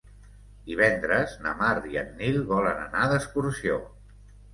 Divendres na Mar i en Nil volen anar d'excursió.